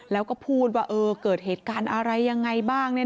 แล้วก็พูดว่าเกิดเหตุการณ์อะไรยังไงบ้าง